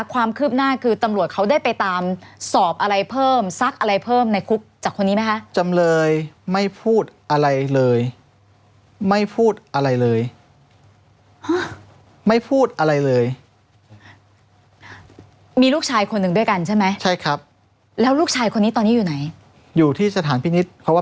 ความคืบหน้าคือตำรวจเขาได้ไปตามสอบอะไรเพิ่มสักอะไรเพิ่มในคุกจากคนนี้มั้ยคะ